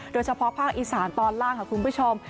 โดยเฉพาะภาคอีสานตอนล่างค่ะคุณผู้ชม